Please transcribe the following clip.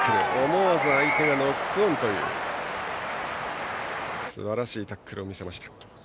思わず相手がノックオンというすばらしいタックルを見せました。